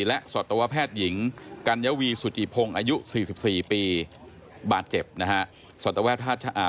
และสัตวแพทย์หญิงกัญวีสุจิพงอายุสี่สิบสี่ปีบาดเจ็บนะฮะ